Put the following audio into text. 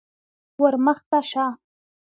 _ور مخته شه.